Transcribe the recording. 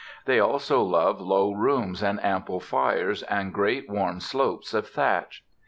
They also love low rooms and ample fires and great warm slopes of thatch.